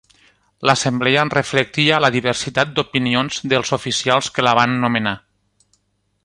L'assemblea reflectia la diversitat d'opinions dels oficials que la van nomenar.